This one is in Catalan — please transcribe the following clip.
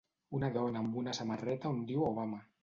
una dona amb una samarreta on diu Obama